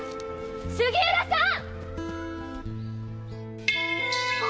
杉浦さん！